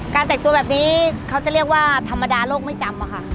แต่งตัวแบบนี้เขาจะเรียกว่าธรรมดาโลกไม่จำอะค่ะ